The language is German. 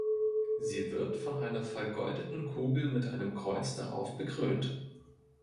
Sie wird von einer vergoldeten Kugel mit einem Kreuz darauf bekrönt.